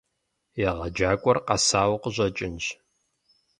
ЕгъэджакӀуэр къэсауэ къыщӀэкӀынщ.